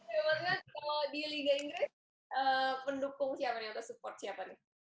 memangnya kalau di liga inggris pendukung siapa nih atau support siapa nih